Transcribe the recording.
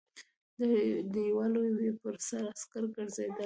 د دېوالونو پر سر عسکر ګرځېدل.